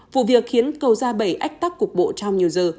vụ việc khiến cầu ra bầy ách tắc cục bộ trong nhiều giờ